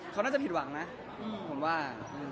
เขาน่าจะผิดหวังนะผมว่า